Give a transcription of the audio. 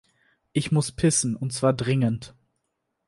Ich muss pissen und zwar dringend!